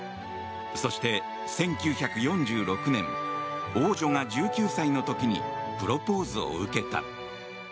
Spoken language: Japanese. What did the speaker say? そして１９４６年王女が１９歳の時にプロポーズを受けた。